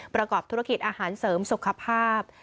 ประกอบธุรกิจอาหารเสริมสุขภาพ